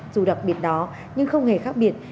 dù đặc biệt đó nhưng không hề khác biệt